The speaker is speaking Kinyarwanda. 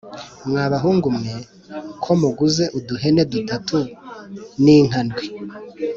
mwa bahungu mwe ko muguze uduhene dutatu n’inka ndwi’